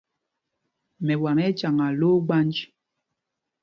Mɛwam ɛ́ ɛ́ cyaŋaa lō ogbanj.